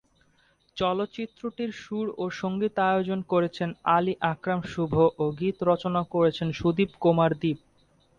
চলচ্চিত্রটির সুর ও সংগীতায়োজন করেছেন আলী আকরাম শুভ ও গীত রচনা করেছেন সুদীপ কুমার দীপ।